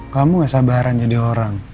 kamu gak sabaran jadi orang